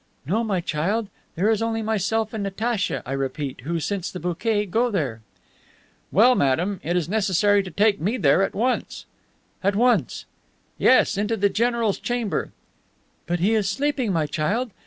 "No, my child, there is only myself and Natacha, I repeat, who, since the bouquet, go there." "Well, madame, it is necessary to take me there at once." "At once!" "Yes, into the general's chamber." "But he is sleeping, my child.